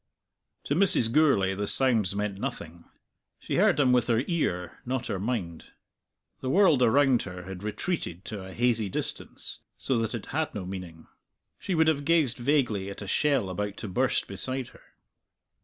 To Mrs. Gourlay the sounds meant nothing; she heard them with her ear, not her mind. The world around her had retreated to a hazy distance, so that it had no meaning. She would have gazed vaguely at a shell about to burst beside her.